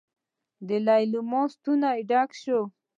د ليلما ستونی ډک شو.